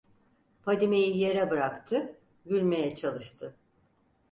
Fadime'yi yere bıraktı, gülmeye çalıştı...